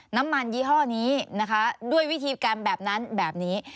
น้ำมันยี่ห้อนี้ด้วยวิธีการแบบนั้นแบบนี้